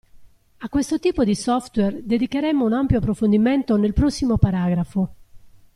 A questo tipo di software dedicheremo un ampio approfondimento nel prossimo paragrafo.